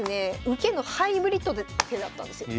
受けのハイブリッドの手だったんですよ。